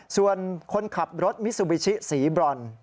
ส่วนคนขับรถมิซูบิชิสีบรอน